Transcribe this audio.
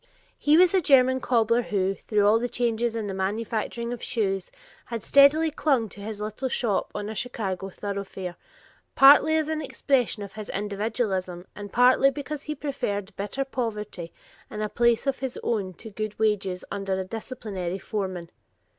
He was a German cobbler who, through all the changes in the manufacturing of shoes, had steadily clung to his little shop on a Chicago thoroughfare, partly as an expression of his individualism and partly because he preferred bitter poverty in a place of his own to good wages under a disciplinary foreman.